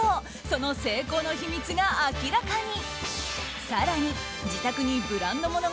その成功の秘密が明らかに。